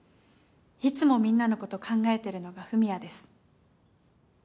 いつもみんなのこと考えてるのが史也です。